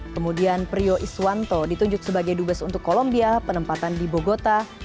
kemudian prio iswanto ditunjuk sebagai dubes untuk kolombia penempatan di bogota